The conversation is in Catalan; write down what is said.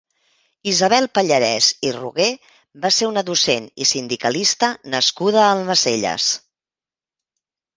Isabel Pallarès i Rogué va ser una docent i sindicalista nascuda a Almacelles.